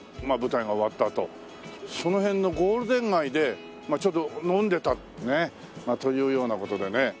まあ舞台が終わったあとその辺のゴールデン街でまあちょっと飲んでたというような事でね。